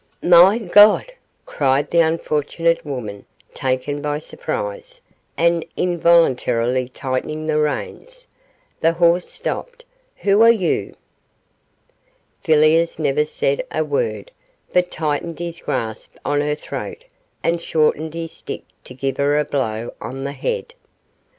'My God!' cried the unfortunate woman, taken by surprise, and, involuntarily tightening the reins, the horse stopped 'who are you?' Villiers never said a word, but tightened his grasp on her throat and shortened his stick to give her a blow on the head.